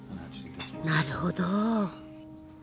なるほど。